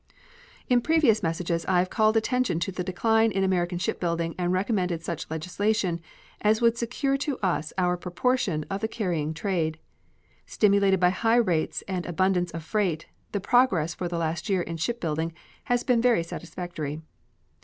In previous messages I have called attention to the decline in American shipbuilding and recommended such legislation as would secure to us our proportion of the carrying trade. Stimulated by high rates and abundance of freight, the progress for the last year in shipbuilding has been very satisfactory.